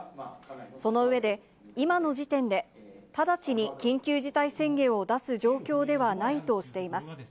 その上で、今の時点で、直ちに緊急事態宣言を出す状況ではないとしています。